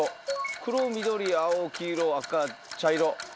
黒緑青黄色赤茶色。